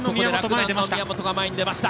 宮本、前に出ました。